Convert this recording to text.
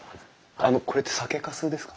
あのこれって酒かすですか？